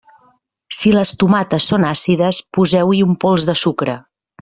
Si les tomates són àcides, poseu-hi un pols de sucre.